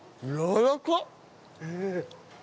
わらかっ！